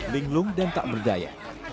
linglung dan tak berdaya